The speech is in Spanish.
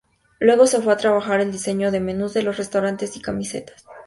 Luego se fue a trabajar el diseño de menús de los restaurantes y camisetas.